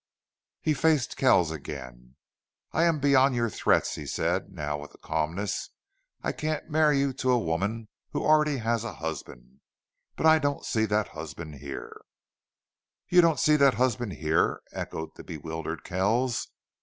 He faced Kells again. "I am beyond your threats," he said, now with calmness. "I can't marry you to a woman who already has a husband.... But I don't see that husband here." "You don't see that husband here!" echoed the bewildered Kells.